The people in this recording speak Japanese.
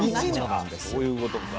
あそういうことか。